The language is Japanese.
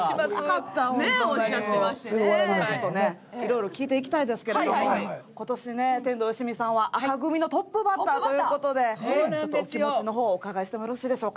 いろいろ聞いていきたいですけど今年、天童よしみさんは紅組のトップバッターということでお気持ちの方をお伺いしていいでしょうか。